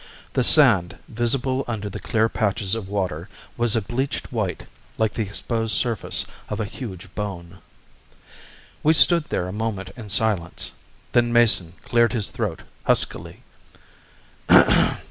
The sand, visible under the clear patches of water, was a bleached white like the exposed surface of a huge bone. We stood there a moment in silence. Then Mason cleared his throat huskily.